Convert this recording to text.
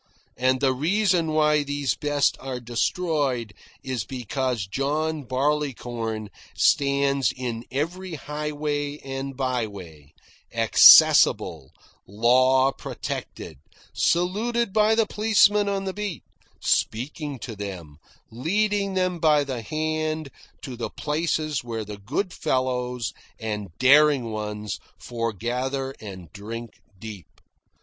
And the reason why these best are destroyed is because John Barleycorn stands on every highway and byway, accessible, law protected, saluted by the policeman on the beat, speaking to them, leading them by the hand to the places where the good fellows and daring ones forgather and drink deep.